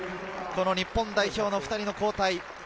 日本代表の２人の交代。